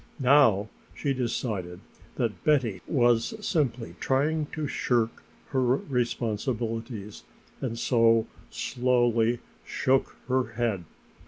Now she decided that Betty was simply trying to shirk her responsibilities and so slowly shook her head.